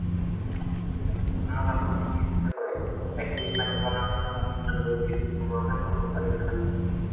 আমরা বাস্তবিক দেখিতে পাই, একই স্নায়ুপ্রণালী ভাল-মন্দ উভয়বিধ প্রবাহই বহন করিয়া থাকে।